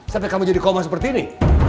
sampai kamu jadi koma seperti ini